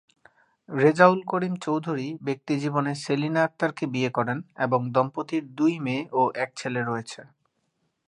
রেজাউল করিম চৌধুরী ব্যক্তিজীবনে সেলিনা আক্তার কে বিয়ে করেন এবং দম্পতির দুই মেয়ে ও এক ছেলে রয়েছে।